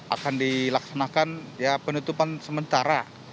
akan dilaksanakan penutupan sementara